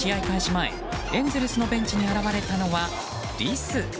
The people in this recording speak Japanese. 前エンゼルスのベンチに現れたのはリス。